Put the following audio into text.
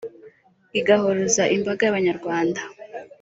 igahuruza imbaga y’Abanyarwanda